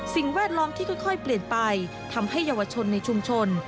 แวดล้อมที่ค่อยเปลี่ยนไปทำให้เยาวชนในชุมชน